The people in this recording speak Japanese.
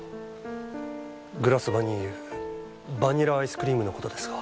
グラスバニーユバニラアイスクリームのことですが。